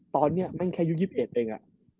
ตอนนี้แม่งแค่อายุ๒๑เอง